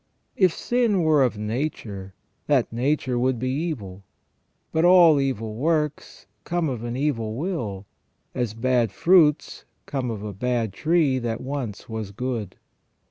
If sin were of nature, that nature would be evil j but all evil works come of an evil will, as bad fruits come of a bad tree that once was good.